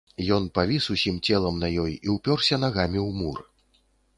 Ён павіс усім целам на ёй і ўпёрся нагамі ў мур.